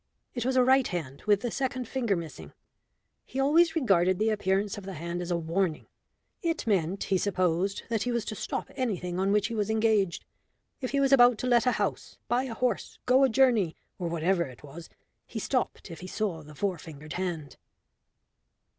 It was a right hand with the second finger missing. He always regarded the appearance of the hand as a warning. It meant, he supposed, that he was to stop anything on which he was engaged; if he was about to let a house, buy a horse, go a journey, or whatever it was, he stopped if he saw the four fingered hand."